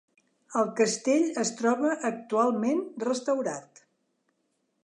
El castell es troba actualment restaurat.